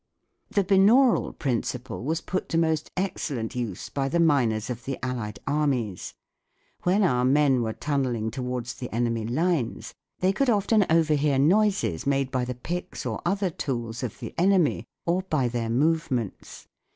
The binaural principle was put to most excellent use by the miners of the Allied armies. When our men were tunnelling towards the enemy lines, they could often overhear noises made by the SOUND IN WAR 179 picks or other tools of the enemy or by their move ments.